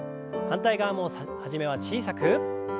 反対側も初めは小さく。